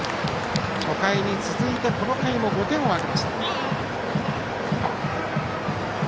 初回に続いてこの回も５点を挙げました。